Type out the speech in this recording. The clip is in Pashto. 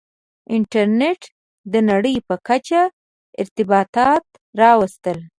• انټرنېټ د نړۍ په کچه ارتباطات راوستل.